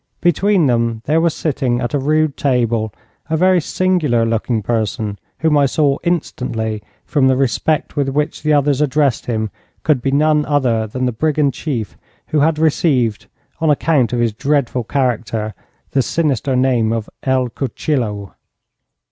Between them there was sitting at a rude table a very singular looking person, whom I saw instantly, from the respect with which the others addressed him, could be none other than the brigand chief who had received, on account of his dreadful character, the sinister name of El Cuchillo.